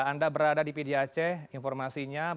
anda berada di pdi aceh informasinya bagaimana